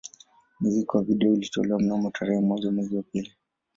Muziki wa video ulitolewa mnamo tarehe moja mwezi wa pili